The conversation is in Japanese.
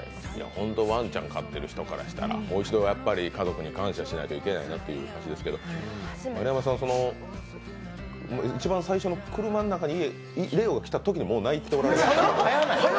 ホント、ワンちゃん飼っている人からしたら、もう一度家族に感謝しなきゃいけないなって感じですけど、その、いちばん最初の車の中にレオが来たときにもう泣いておられましたね。